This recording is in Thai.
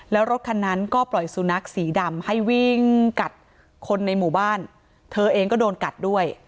แล้วรถคันนั้นก็ปล่อยสุนัขสีดำให้วิ่งกัดคนในหมู่บ้านเธอเองก็โดนกัดด้วย